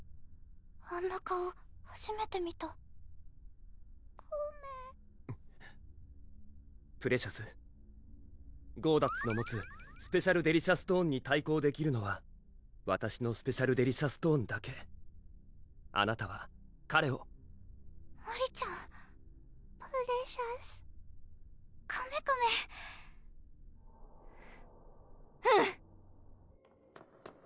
あんな顔はじめて見たコメプレシャスゴーダッツの持つスペシャルデリシャストーンに対抗できるのはわたしのスペシャルデリシャストーンだけあなたは彼をマリちゃんプレシャスコメコメうん！